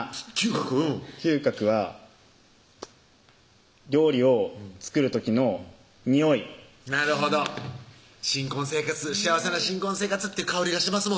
嗅覚嗅覚は料理を作る時のにおいなるほど幸せな新婚生活っていう香りがします